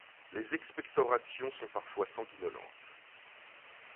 Les expectorations sont parfois sanguinolentes.